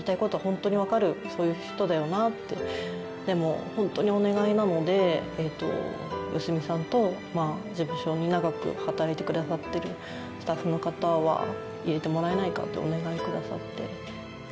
でもホントにお願いなので良純さんと事務所に長く働いてくださってるスタッフの方は入れてもらえないか」ってお願いくださって。